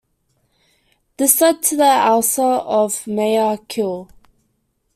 This led to the ouster of Mayor Kyll.